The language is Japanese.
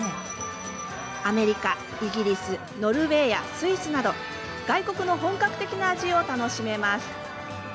アメリカ、イギリスノルウェーやスイスなど外国の本格的な味を楽しめます。